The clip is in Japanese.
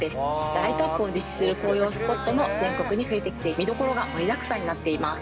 ライトアップを立地する紅葉スポットも全国に増えてきて、見どころが盛りだくさんになっています。